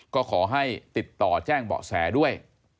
ก็ขอให้ติดต่อแจ้งเบาะแสด้วย